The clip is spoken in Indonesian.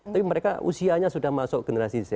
tapi mereka usianya sudah masuk generasi z